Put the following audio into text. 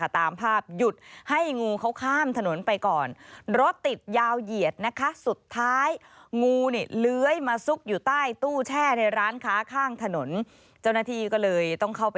ตามภาพหยุดให้งูเขาข้ามถนนไปก่อน